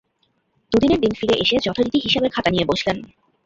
দু দিনের দিন ফিরে এসে যথারীতি হিসাবের খাতা নিয়ে বসলেন।